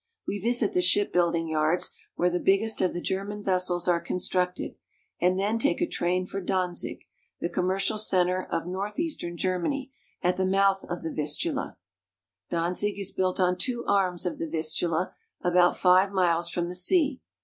We visit the shipbuilding yards, where the biggest of the German vessels are constructed, and then take a train for Danzig, the commercial center of northeastern Germany, at the mouth of the Vistula. . Street in Danzig. Danzig is built on two arms of the Vistula, about five miles from the sea.